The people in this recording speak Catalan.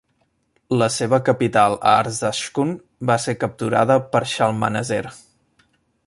La seva capital a Arzashkun va ser capturada per Shalmaneser.